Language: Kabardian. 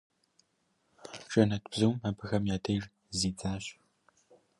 Жэнэтбзум абыхэм я деж зидзащ.